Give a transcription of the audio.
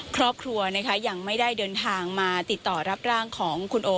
ครอบครัวนะคะยังไม่ได้เดินทางมาติดต่อรับร่างของคุณโอ